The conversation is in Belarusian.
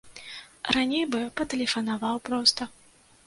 Раней бы патэлефанаваў проста.